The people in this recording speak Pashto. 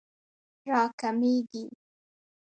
راکمېږي